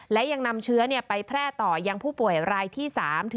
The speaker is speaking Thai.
และยังนำเชื้อไปแพร่ต่อยังผู้ป่วยรายที่๓